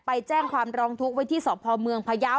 ไปแจ้งความร้องทุกข์ไว้ที่สพเมืองพยาว